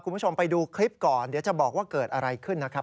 คุณผู้ชมไปดูคลิปก่อนเดี๋ยวจะบอกว่าเกิดอะไรขึ้นนะครับ